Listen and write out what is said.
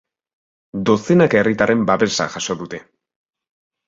Dozenaka herritarren babesa jaso dute.